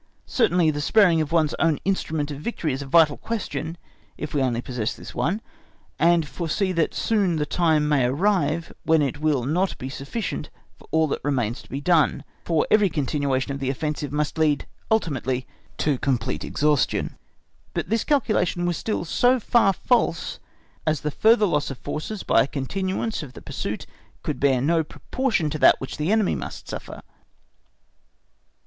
Certainly the sparing one's own instrument of victory is a vital question if we only possess this one, and foresee that soon the time may arrive when it will not be sufficient for all that remains to be done, for every continuation of the offensive must lead ultimately to complete exhaustion. But this calculation was still so far false, as the further loss of forces by a continuance of the pursuit could bear no proportion to that which the enemy must suffer.